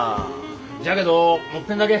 じゃけどもっぺんだけ。